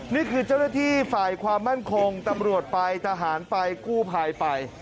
นี่คือเจ้าหน้าที่ฝ่ายความมั่นคงตำรวจไปทหารไปกู้ภัยไป